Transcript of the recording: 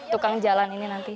tukang jalan ini nanti